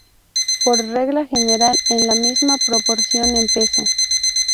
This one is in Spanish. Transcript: Por regla general en la misma proporción en peso.